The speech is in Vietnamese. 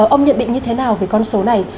ông nhận định như thế nào về con số này